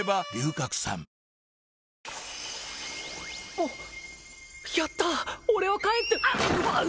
あっやった俺は帰ってうぐっ！